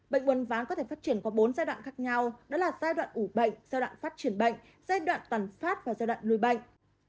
bệnh uốn ván có thể phát triển qua bốn giai đoạn khác nhau đó là giai đoạn ủ bệnh giai đoạn phát triển bệnh giai đoạn tàn phát và giai đoạn lùi bệnh